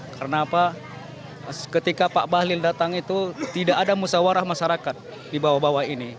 karena apa ketika pak bahlil datang itu tidak ada musawarah masyarakat di bawah bawah ini